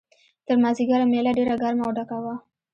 تر مازیګره مېله ډېره ګرمه او ډکه وه.